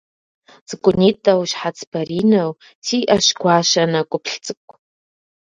Цӏыкӏунитӏэу, щхьэц баринэу, сиӏэщ гуащэ нэкӏуплъ цӏыкӏу.